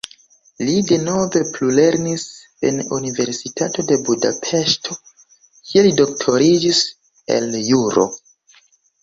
Li denove plulernis en Universitato de Budapeŝto, kie li doktoriĝis el juro.